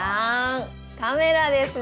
カメラですね。